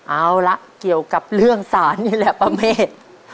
เอาละเกี่ยวกับเรื่องศาลนี่แหละป้าเมฆ